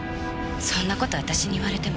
そんな事私に言われても。